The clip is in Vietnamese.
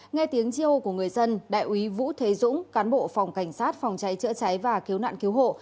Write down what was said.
nghe tiếng chi hô của người dân đại úy vũ thế dũng cán bộ phòng cảnh sát phòng cháy chữa cháy và cứu nạn cứu hộ